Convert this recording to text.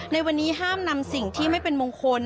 ในวันนี้ห้ามนำสิ่งที่ไม่เป็นมงคล